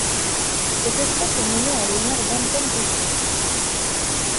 Cette espèce est nommée en l'honneur d'Anton Reichenow.